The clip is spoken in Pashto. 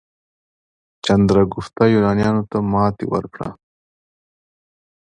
چندراګوپتا یونانیانو ته ماتې ورکړه.